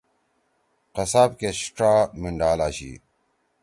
قصاب کیش ڇا مِنڈھال آشی۔